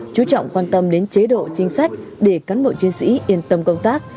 chú trọng quan tâm đến chế độ chính sách để cán bộ chiến sĩ yên tâm công tác